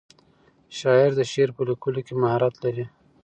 شاعر د شعر په لیکلو کې مهارت لري.